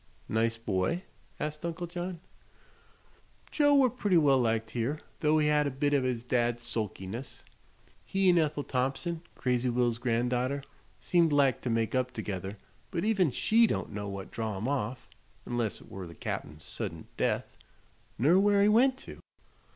"Nice boy?" asked Uncle John. "Joe were pretty well liked here, though he had a bit o' his dad's sulkiness. He 'n' Ethel Thompson crazy Will's gran'daughter seemed like to make up together; but even she don't know what drav him off 'nless it were the Cap'n's suddint death ner where he went to."